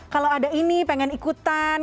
kalau ada ini pengen ikutan